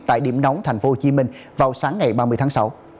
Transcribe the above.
tại điểm nóng tp hcm vào sáng ngày ba mươi tháng sáu